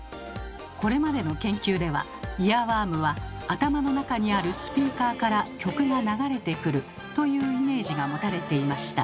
これまでの研究ではイヤーワームは頭の中にあるスピーカーから曲が流れてくるというイメージが持たれていました。